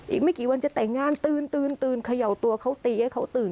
อีกไม่กี่วันจะแต่งงานตื่นเขย่าตัวเขาตีให้เขาตื่น